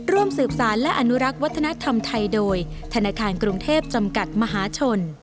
ร่วมสืบสารและอนุรักษ์วัฒนธรรมไทยโดยธนาคารกรุงเทพจำกัดมหาชน